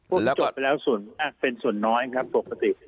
พวกจบไปแล้วเป็นส่วนน้อยครับปกติ